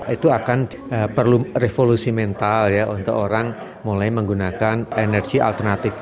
itu akan perlu revolusi mental ya untuk orang mulai menggunakan energi alternatif